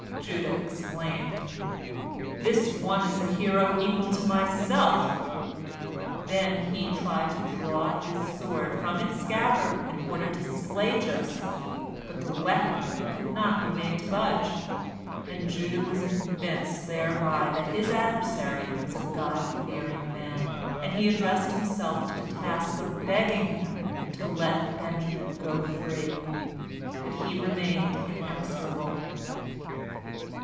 Judah exclaimed, "This one is a hero equal to myself!" Then he tried to draw his sword from its scabbard in order to slay Joseph, but the weapon could not be made to budge, and Judah was convinced thereby that his adversary was a God fearing man, and he addressed himself to the task of begging him to let Benjamin go free, but he remained inexorable.